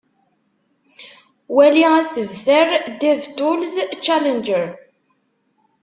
Wali asebter Dev Tools Challenger.